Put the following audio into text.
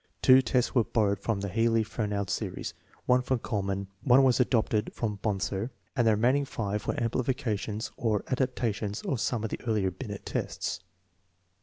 Two tests were borrowed from the Healy Fernald series, one from Kulil mann, one was adapted from Bonser, and the remaining five were amplifications or adaptations of some of the earlier Binet tests.